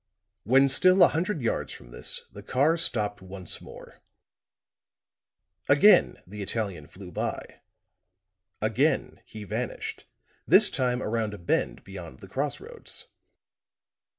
When still a hundred yards from this the car stopped once more; again the Italian flew by; again he vanished, this time around a bend beyond the cross roads.